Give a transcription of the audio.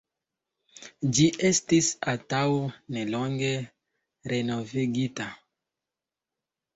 Ĝi estis antaŭnelonge renovigita.